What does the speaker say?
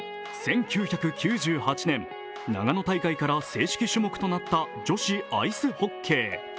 １９９８年、長野大会から正式種目となった女子アイスホッケー。